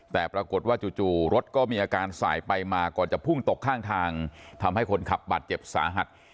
แต่ปรากฏว่าจู่รถก็มีอาการสายไปมาก่อนจะพุ่งตกข้างทางทำให้คนขับบาดเจ็บสาหัส